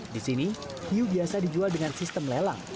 di sini hiu biasa dijual dengan sistem lelang